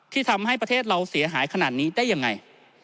ทำให้ประเทศเราเสียหายขนาดนี้ได้ยังไง